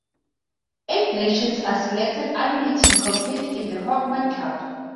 Eight nations are selected annually to compete in the Hopman Cup.